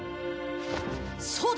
そうだ！